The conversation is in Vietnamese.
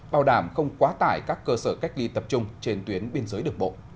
bảo đảm không quá tải các cơ sở cách ly tập trung trên tuyến biên giới được bộ